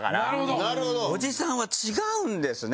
おじさんは違うんですね。